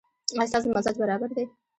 ایا ستاسو مزاج برابر دی؟